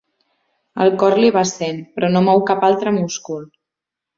El cor li va a cent, però no mou cap altre múscul.